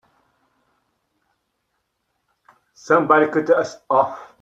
Somebody cut us off!